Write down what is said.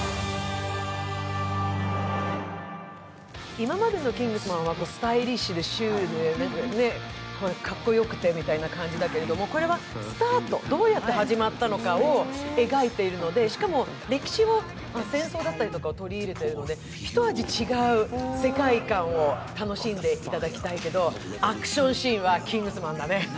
今までの「キングスマン」はスタイリッシュでシュールでかっこよくてみたいな感じだけれども、これはスタート、どうやって始まったのかを描いているのでしかも歴史、戦争だったりを取り入れているので一味違う世界観を楽しんでいただきたいけど、アクションシーンは「キングスマン」だね。